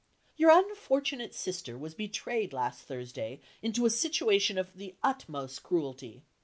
"Your unfortunate sister was betrayed last Thursday into a situation of the utmost cruelty.